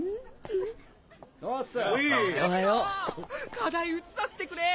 課題写させてくれ！